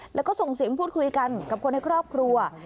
แล้วก็ส่งเสียงพูดคุยกันกับคนในครอบครัว